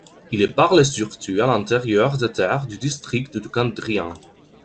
Il est parlé surtout à l'intérieur des terres du district de Kandrian.